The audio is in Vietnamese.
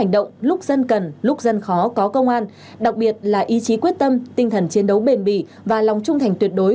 đặc biệt là ý chí quyết tâm tinh thần chiến đấu bền bỉ và lòng trung thành tuyệt đối